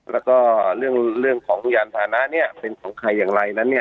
แล้วก็เรื่องเรื่องของทุกอย่างฐานะเนี่ยเป็นของใครอย่างไรนั้นเนี่ย